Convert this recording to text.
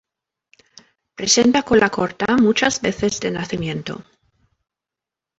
Presenta cola corta muchas veces de nacimiento.